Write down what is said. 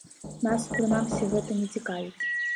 Нас, прынамсі, гэта не цікавіць.